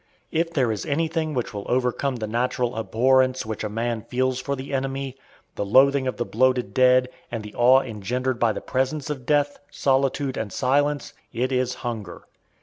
If there is anything which will overcome the natural abhorrence which a man feels for the enemy, the loathing of the bloated dead, and the awe engendered by the presence of death, solitude, and silence, it is hunger.